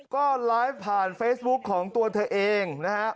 ก็ไลฟ์ผ่านเฟซบุ๊คของตัวเธอเองนะฮะ